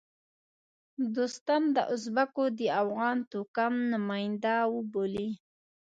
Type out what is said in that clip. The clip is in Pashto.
دوستم د ازبکو د افغان توکم نماینده وبولي.